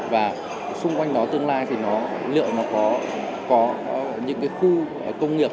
và xung quanh đó tương lai thì nó liệu nó có những cái khu công nghiệp